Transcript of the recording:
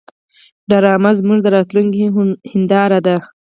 ډرامه زموږ د راتلونکي هنداره ده